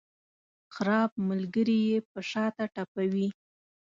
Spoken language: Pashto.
خراب ملګري یې په شاته ټپوي.